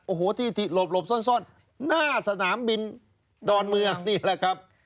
โอ้โหที่หลบซ่อนหน้าสนามบินดอนเมืองนี่แหละครับ